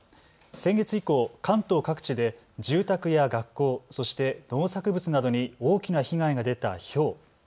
先月以降、関東各地で住宅や学校、そして農作物などに大きな被害が出たひょう。